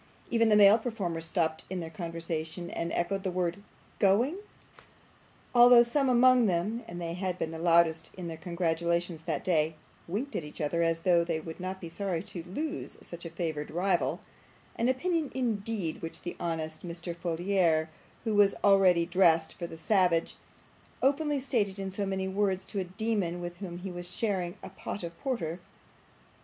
Even the male performers stopped in their conversation, and echoed the word 'Going!' although some among them (and they had been the loudest in their congratulations that day) winked at each other as though they would not be sorry to lose such a favoured rival; an opinion, indeed, which the honest Mr. Folair, who was ready dressed for the savage, openly stated in so many words to a demon with whom he was sharing a pot of porter.